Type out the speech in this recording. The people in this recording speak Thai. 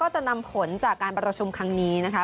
จะนำผลจากการประชุมครั้งนี้นะคะ